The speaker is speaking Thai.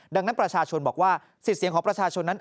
ดังนั้นประชาชนบอกว่าสิทธิ์เสียงของประชาชนนั้น